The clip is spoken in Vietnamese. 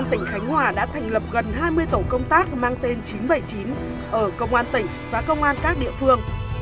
tỉnh khánh hòa đã thành lập gần hai mươi tổ công tác mang tên chín trăm bảy mươi chín ở công an tỉnh và công an các địa phương